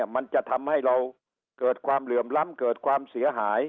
มันจะทำให้เราเกิดความเหลื่อมล้ำเกิดความเสียหาย